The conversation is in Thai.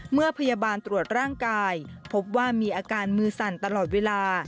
เมื่อพยาบาลตรวจร่างกายพบว่ามีอาการมือสั่นตลอดเวลา